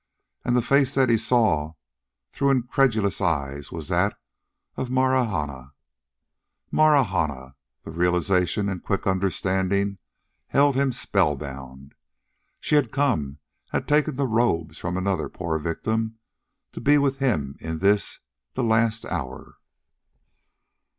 And the face that he saw through incredulous eyes was that of Marahna. Marahna! The realization and quick understanding held him spellbound. She had come, had taken the robes from another poor victim ... to be with him in this, the last hour....